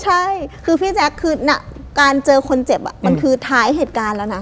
ใช่คือพี่แจ๊คคือการเจอคนเจ็บมันคือท้ายเหตุการณ์แล้วนะ